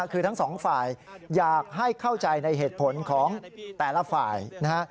คือทั้งสองฝ่ายอยากให้เข้าใจในเหตุผลของแต่ละฝ่ายนะฮะ